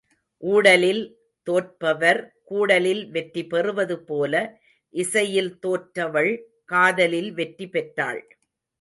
ஊடலில் தோற்பவர் கூடலில் வெற்றி பெறுவது போல இசையில் தோற்றவள் காதலில் வெற்றி பெற்றாள்.